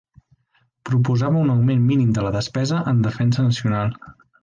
Proposava un augment mínim de la despesa en defensa nacional.